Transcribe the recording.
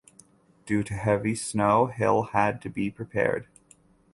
Due to heavy snow hill had to be prepared.